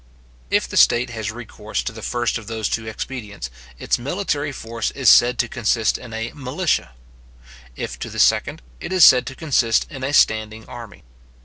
If the state has recourse to the first of those two expedients, its military force is said to consist in a militia; if to the second, it is said to consist in a standing army.